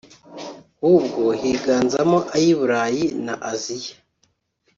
nubwo higanzamo ay’ i Burayi na Aziya